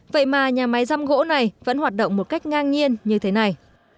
vậy mà nhà máy răm gỗ này vẫn hoạt động một cách ngang nhiên như thế này